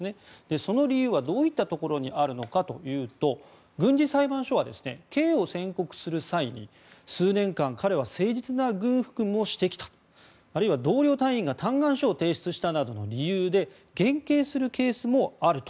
その理由はどういったところにあるのかというと軍事裁判所は刑を宣告する際に数年間彼は誠実な軍服務をしてきたあるいは同僚隊員が嘆願書を提出したなどの理由で減刑するケースもあると。